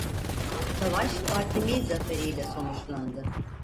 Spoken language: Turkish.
Savaş Fâtımî zaferiyle sonuçlandı.